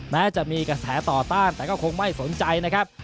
แม้จะมีกระแสต่อต้านแต่ก็คงไม่สนใจนะครับ